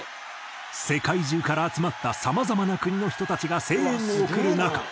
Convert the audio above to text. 世界中から集まったさまざまな国の人たちが声援を送る中